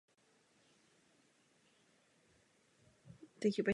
Pocházel ze šlechtické rodiny a měl titul svobodného pána.